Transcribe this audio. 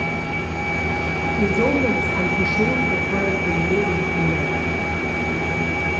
Ils umens han cuschiu perquei in liung mument.